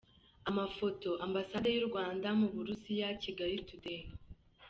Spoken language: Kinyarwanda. Amafoto: Ambasade y’u Rwanda mu BurusiyaKigali Today.